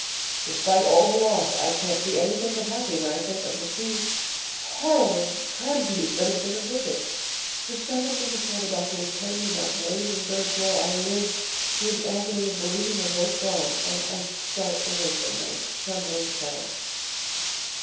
Despite all the loss, I can't be anything but happy when I think of the two horrible tragedies that have been averted. For seven minutes, while the doctor was penned in that blazing third floor, I lived through the agony of believing them both gone, and I start awake in the night trembling with horror.